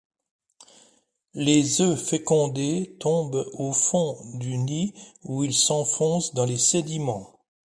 Les œufs fécondés tombent au fond du nid où ils s’enfoncent dans les sédiments.